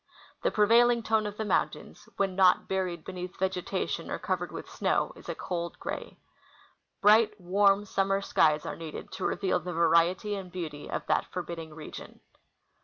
The prevailing tone of the mountains, when not buried beneath vegetation or covered with snow, is a cold gray. Bright, warm, summer skies are needed to reveal the variet}' and beauty of that forbidding region.